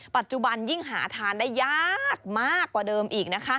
ปัจจุบันยิ่งหาทานได้ยากมากกว่าเดิมอีกนะคะ